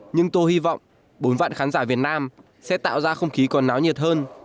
nhưng tôi hy vọng bốn vạn khán giả việt nam sẽ tạo ra không khí còn náo nhiệt hơn